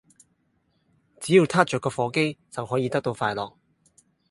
只要撻著個火機就可以得到快樂